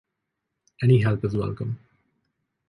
Any help is welcome.